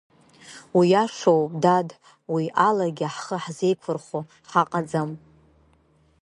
Уиашоуп, дад, уи алагьы ҳхы ҳзеиқәырхо ҳаҟаӡам.